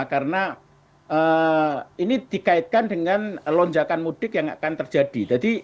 karena ini dikaitkan dengan lonjakan mudik yang akan terjadi